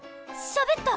しゃべった！